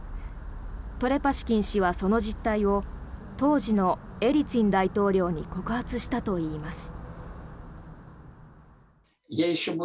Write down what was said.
トレパシキン氏はその実態を当時のエリツィン大統領に告発したといいます。